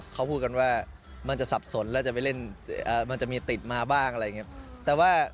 เขาพูดกันว่ามันจะสับสนแล้วจะไปเล่นมันจะมีติดมาบ้างอะไรอย่างนี้